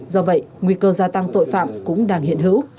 do vậy nguy cơ gia tăng tội phạm cũng đang hiện hữu